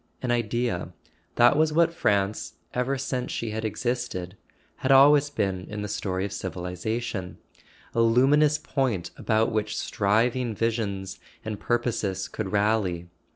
An Idea: that was what France, ever since she had existed, had always been in the story of civilization; a luminous point about which striving visions and purposes could rally.